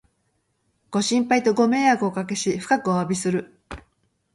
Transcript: ご心配とご迷惑をおかけし、深くおわびする